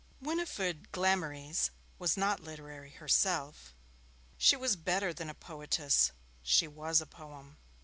Winifred Glamorys was not literary herself. She was better than a poetess, she was a poem.